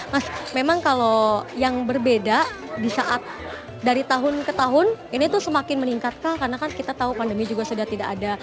mas memang kalau yang berbeda di saat dari tahun ke tahun ini tuh semakin meningkat kah karena kan kita tahu pandemi juga sudah tidak ada